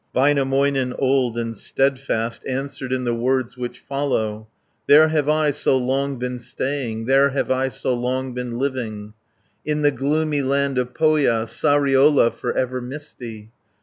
Väinämöinen, old and steadfast, Answered in the words which follow: "There have I so long been staying, There have I so long been living, 70 In the gloomy land of Pohja, Sariola for ever misty.